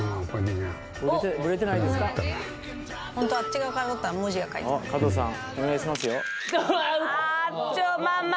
ホントはあっち側から撮ったら文字が書いてあるうんうん